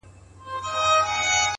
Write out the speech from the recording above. زحمت د هیلې ملګری دی’